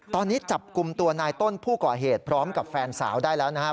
ตอนนี้จับกลุ่มตัวนายต้นผู้ก่อเหตุพร้อมกับแฟนสาวได้แล้วนะครับ